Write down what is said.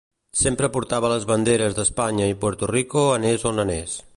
Sempre portava les banderes d'Espanya i Puerto Rico anés on anés.